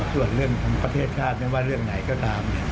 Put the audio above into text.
ส่วนเรื่องของประเทศชาติไม่ว่าเรื่องไหนก็ตาม